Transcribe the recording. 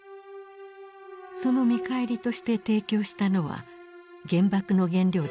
その見返りとして提供したのは原爆の原料であるウランだった。